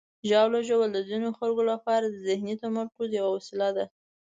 ژاوله ژوول د ځینو خلکو لپاره د ذهني تمرکز یوه وسیله ده.